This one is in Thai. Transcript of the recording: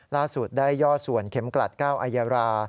ล่าสุดได้ย่อส่วนเข็มกลัด๙อายารา